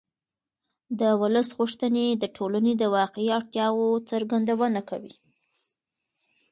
د ولس غوښتنې د ټولنې د واقعي اړتیاوو څرګندونه کوي